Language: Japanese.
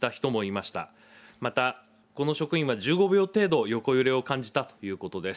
また、この職員は１５秒程度、横揺れを感じたということです。